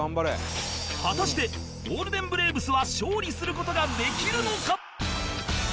果たしてゴールデンブレーブスは勝利する事ができるのか！？